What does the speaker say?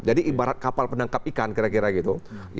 jadi ibarat kapal penangkap ikan kira kira gitu